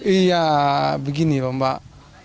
iya begini lho mbak